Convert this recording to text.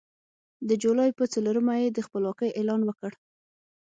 د جولای په څلورمه یې د خپلواکۍ اعلان وکړ.